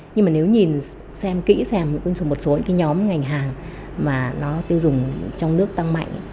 nhưng mà nếu nhìn xem kỹ xem một số cái nhóm ngành hàng mà nó tiêu dùng trong nước tăng mạnh